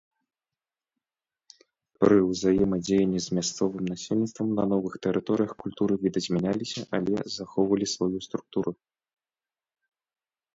Пры ўзаемадзеянні з мясцовым насельніцтвам на новых тэрыторыях культуры відазмяняліся, але захоўвалі сваю структуру.